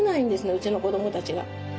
うちの子どもたちが。